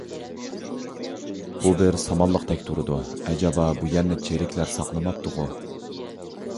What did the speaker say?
بۇ بىر سامانلىقتەك تۇرىدۇ، ئەجەبا بۇ يەرنى چېرىكلەر ساقلىماپتۇغۇ؟